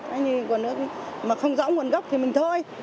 cái gì còn nữa mà không rõ nguồn gốc thì mình thôi